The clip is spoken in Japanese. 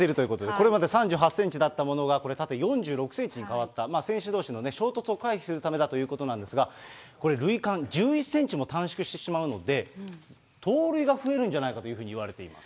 実はね、ベースの大きさも変わっているということで、これまで３８センチだったものが、これ、縦４６センチに変わった、選手どうしの衝突を回避するためだということなんですが、これ、塁間１１センチも短縮してしまうので、盗塁が増えるんじゃないかというふうにいわれています。